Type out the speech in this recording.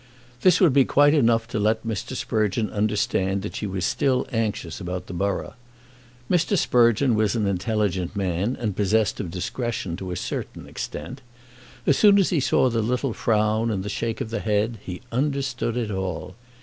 This would be quite enough to let Mr. Sprugeon understand that she was still anxious about the borough. Mr. Sprugeon was an intelligent man, and possessed of discretion to a certain extent. As soon as he saw the little frown and the shake of the head, he understood it all.